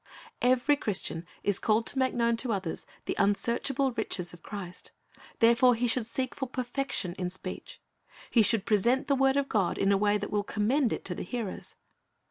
Every Christian is called to make known to others the unsearchable riches of Christ; therefore he should seek for perfection in speech. He should present the word of God in a way that will commend it to the hearers.